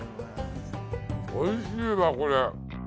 おいしいわこれ。